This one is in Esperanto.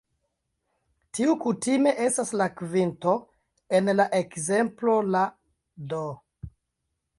Tiu kutime estas la kvinto; en la ekzemplo la "d".